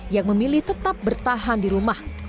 yang memilih tetap bertahan di rumah